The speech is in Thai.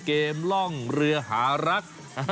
เกมร่องเรือหารัก